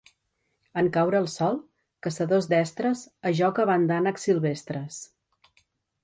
En caure el sol, caçadors destres, a joca van d'ànecs silvestres.